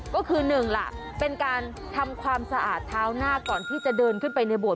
ก็คือหนึ่งล่ะเป็นการทำความสะอาดเท้าหน้าก่อนที่จะเดินขึ้นไปในโบส